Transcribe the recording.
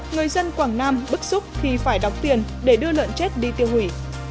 người dân quảng nam bức xúc khi phải đọc tiền để đưa lợn chết đi tiêu hủy